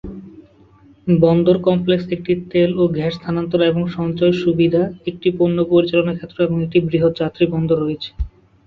বন্দর কমপ্লেক্সে একটি তেল ও গ্যাস স্থানান্তর এবং সঞ্চয় সুবিধা, একটি পণ্য-পরিচালনা ক্ষেত্র এবং একটি বৃহত যাত্রী বন্দর রয়েছে।